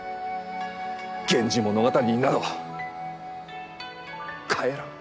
「源氏物語」になど帰らん。